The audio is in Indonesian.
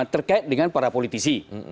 terkait dengan para politisi